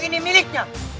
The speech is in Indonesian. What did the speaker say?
ini milik dia